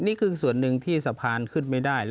นี่คือส่วนหนึ่งที่สะพานขึ้นไม่ได้